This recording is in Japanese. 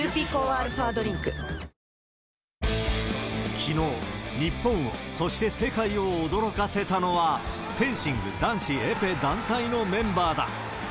きのう、日本を、そして世界を驚かせたのは、フェンシング男子エペ団体のメンバーだ。